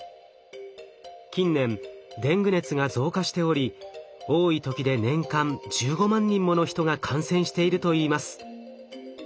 近年デング熱が増加しており多い時で年間１５万人もの人が感染しているといいます。